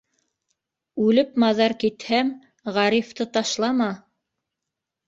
Үлеп-маҙар китһәм, Ғарифты ташлама.